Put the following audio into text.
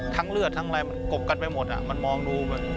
ทั้งเลือดทั้งอะไรมันกบกันไปหมดน่ะมันมองดู